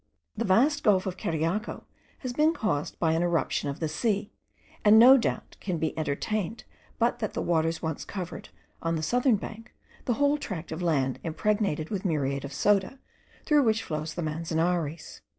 The vast gulf of Cariaco has been caused by an irruption of the sea; and no doubt can be entertained but that the waters once covered, on the southern bank, the whole tract of land impregnated with muriate of soda, through which flows the Manzanares.